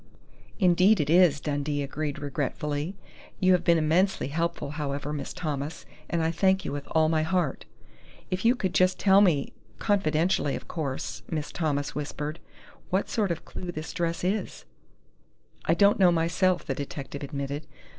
"Indeed it is," Dundee agreed regretfully. "You have been immensely helpful, however, Miss Thomas, and I thank you with all my heart." "If you could just tell me confidentially, of course," Miss Thomas whispered, "what sort of clue this dress is " "I don't know, myself!" the detective admitted.